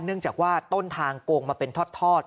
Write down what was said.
เนื่องจากว่าต้นทางโกงมาเป็นทอด